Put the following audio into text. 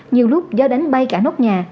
nhiều lúc do đánh bay cả nốt nhà